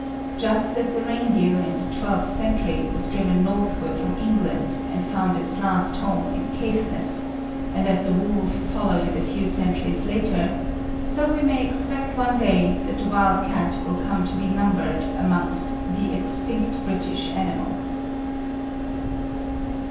Just as the reindeer in the twelfth century was driven northward from England and found its last home in Caithness, and as the wolf followed it a few centuries later, so we may expect one day that the wild cat will come to be numbered amongst the 'extinct British animals.'